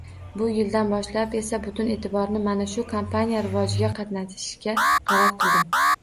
Bu yildan boshlab esa butun eʼtiborni mana shu kompaniyani rivojiga qaratishga qaror qildim.